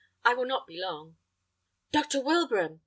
I will not be long." "Doctor Wilbraham!"